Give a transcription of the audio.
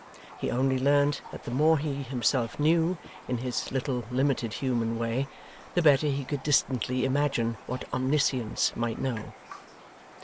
He only learned that the more he himself knew, in his little limited human way, the better he could distantly imagine what Omniscience might know.